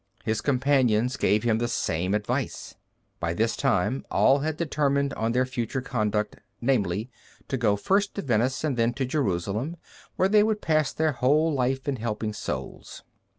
His companions gave him the same advice. By this time all had determined on their future conduct, namely, to go first to Venice, and then to Jerusalem, where they would pass their whole life in helping souls.